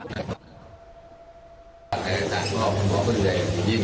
บาปทุกคนอยู่เลยว่าง์